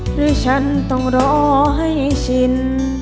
หรือฉันต้องรอให้ชิน